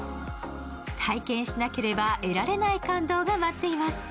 体験しなければ得られない感動が待っています。